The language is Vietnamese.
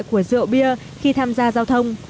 của rượu bia khi tham gia giao thông